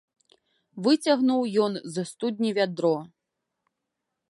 Выцягнуў ён з студні вядро.